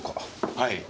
はい。